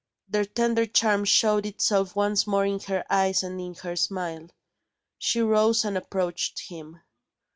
Their tender charm showed itself once more in her eyes and in her smile. She rose and approached him.